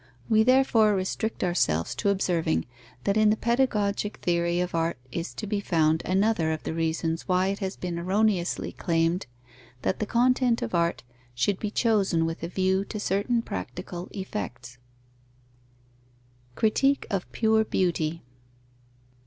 We therefore restrict ourselves to observing that in the pedagogic theory of art is to be found another of the reasons why it has been erroneously claimed that the content of art should be chosen with a view to certain practical effects. _Critique of pure beauty.